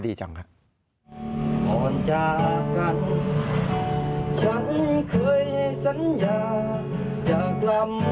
ดีจังครับ